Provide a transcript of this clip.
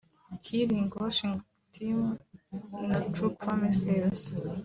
Healing worship team na True Promises